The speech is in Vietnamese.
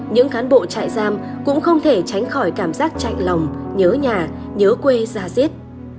những cán bộ trại giam cũng không thể tránh khỏi cảm giác chạy lòng nhớ nhà nhớ quê ra diết